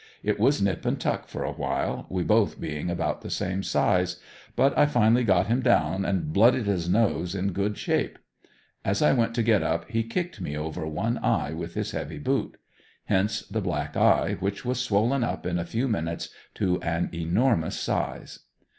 It was nip and tuck for awhile we both being about the same size, but I finally got him down and blooded his nose in good shape. As I went to get up he kicked me over one eye with his heavy boot. Hence the black eye, which was swollen up in a few minutes to an enormous size.